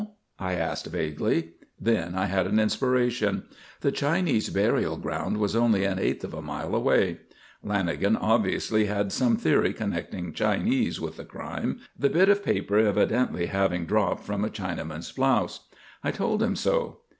I asked, vaguely. Then I had an inspiration. The Chinese burial ground was only an eighth of a mile away. Lanagan obviously had some theory connecting Chinese with the crime, the bit of paper evidently having dropped from a Chinaman's blouse. I told him so.